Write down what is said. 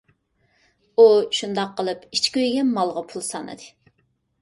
ئۇ شۇنداق قىلىپ ئىچى كۆيگەن مالغا پۇل سانىدى.